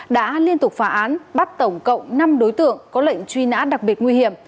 đã liên tục phá án bắt tổng cộng năm đối tượng có lệnh truy nã đặc biệt nguy hiểm